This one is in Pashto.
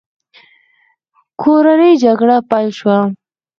کورنۍ جګړه پیل شوه.